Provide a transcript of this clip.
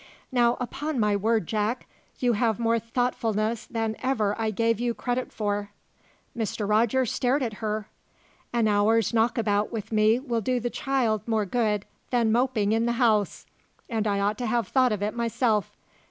"Now, upon my word. Jack, you have more thoughtfulness than ever I gave you credit for." Mr. Rogers stared at her. "An hour's knockabout with me will do the child more good than moping in the house, and I ought to have thought of it myself.